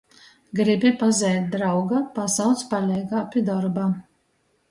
Gribi pazeit drauga, pasauc paleigā pi dorba.